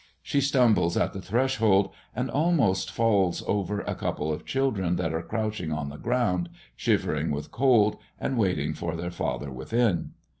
She stumbles at the threshold, and almost falls over a couple of children that are crouching on the ground, shivering with cold, and waiting for their father within.